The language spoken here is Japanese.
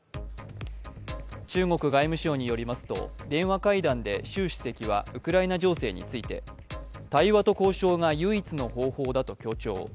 中国外務省によりますと、電話会談で習主席はウクライナ情勢について、対話と交渉が唯一の方法だと強調。